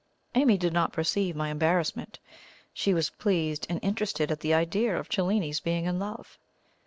Amy did not perceive my embarrassment. She was pleased and interested at the idea of Cellini's being in love.